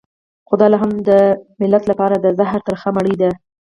خو دا لا هم د ملت لپاره د زهر ترخه مړۍ ده.